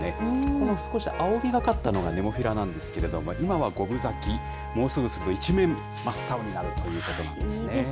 この少し青みがかったのがネモフィラなんですけれども、今は５分咲き、もうすぐすると一面、真っ青になるということですね。